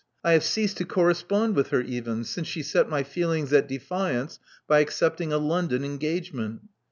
I have ceased to correspond with her even, since she set my feelings at defiance by accepting a London engage ment."